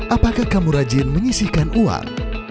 apakah kamu rajin menyisihkan uang